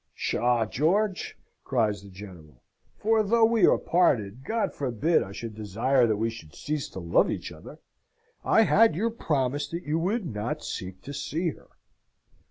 "Psha, George!" cries the General. "For though we are parted, God forbid I should desire that we should cease to love each other. I had your promise that you would not seek to see her."